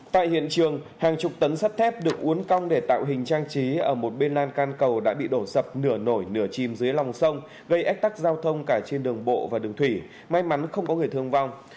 tại hiện trường hàng chục tấn sắt thép được uốn cong để tạo hình trang trí ở một bên lan can cầu đã bị đổ sập nửa nổi nửa chìm dưới lòng sông gây ách tắc giao thông cả trên đường bộ và đường thủy may mắn không có người thương vong